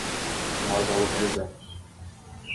Nós a localizamos.